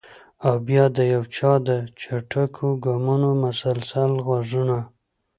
او بیا د یو چا د چټکو ګامونو مسلسل غږونه!